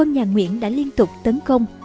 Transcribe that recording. nhà nguyễn đã liên tục tấn công